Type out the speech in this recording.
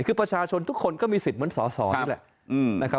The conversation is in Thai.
คือประชาชนทุกคนก็มีสิทธิ์เหมือนสอสอนี่แหละนะครับ